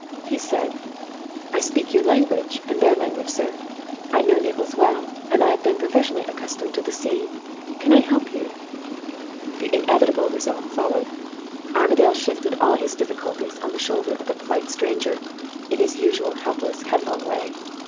He said, 'I speak your language and their language, sir. I know Naples well; and I have been professionally accustomed to the sea. Can I help you?' The inevitable result followed. Armadale shifted all his difficulties on to the shoulders of the polite stranger, in his usual helpless, headlong way.